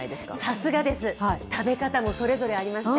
さすがです、食べ方もそれぞれありまして。